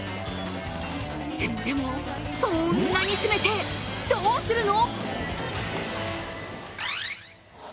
でもでも、そんなに詰めてどうするの？